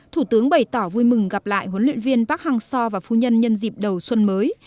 thủ tướng bày tỏ vui mừng gặp lại huấn luyện viên bác hằng so và phu nhân nhân dịp đầu xuân mới